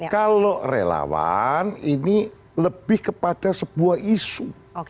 kalau relawan ini lebih kepada sebuah isu